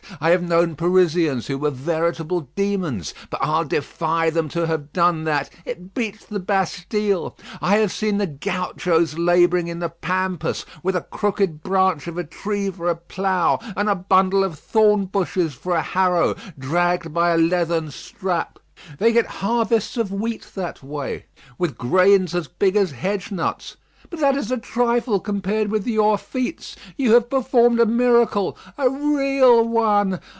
I have known Parisians, who were veritable demons, but I'll defy them to have done that. It beats the Bastille. I have seen the gauchos labouring in the Pampas, with a crooked branch of a tree for a plough and a bundle of thorn bushes for a harrow, dragged by a leathern strap; they get harvests of wheat that way, with grains as big as hedgenuts. But that is a trifle compared with your feats. You have performed a miracle a real one.